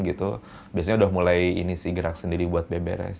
biasanya udah mulai ini sih gerak sendiri buat beberes